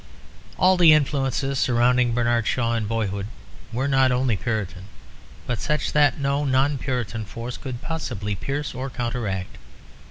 All the influences surrounding Bernard Shaw in boyhood were not only Puritan, but such that no non Puritan force could possibly pierce or counteract.